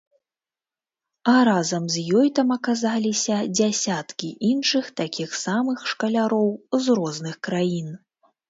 А разам з ёй там аказаліся дзясяткі іншых такіх самых шкаляроў з розных краін.